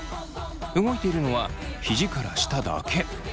動いているのはひじから下だけ。